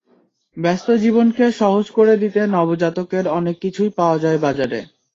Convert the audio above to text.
ব্যস্ত জীবনকে সহজ করে দিতে নবজাতকের অনেক কিছুই পাওয়া যায় বাজারে।